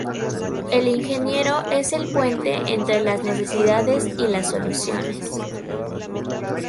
El ingeniero es el puente entre las necesidades y las soluciones.